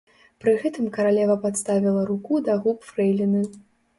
Пры гэтым каралева падставіла руку да губ фрэйліны.